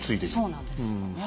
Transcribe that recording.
そうなんですよね。